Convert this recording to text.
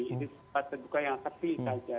itu sebuah seduka yang terpilih saja